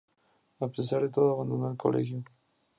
A pesar de todo, abandonó el colegio.